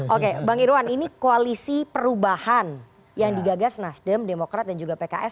oke bang irwan ini koalisi perubahan yang digagas nasdem demokrat dan juga pks